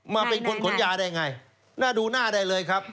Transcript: มาเป็นคนขนยาได้ไงหน้าดูหน้าได้เลยครับ